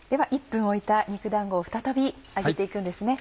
１分置いた肉だんごを再び揚げて行くんですね。